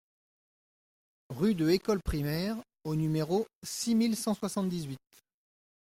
Rue de École Primaire au numéro six mille cent soixante-dix-huit